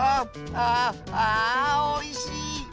あおいしい！